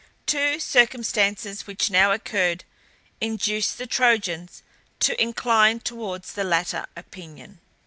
Two circumstances which now occurred induced the Trojans to incline towards the latter opinion.